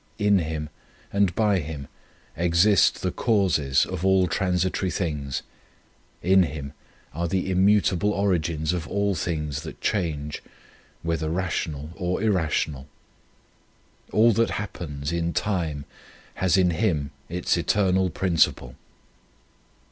In Him and by Him exist the causes of all tran sitory things ; in Him are the immutable origins of all things that change, whether rational or irrational. All that happens in time has in Him its eternal principle.